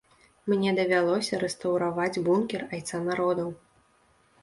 Мне давялося рэстаўраваць бункер айца народаў.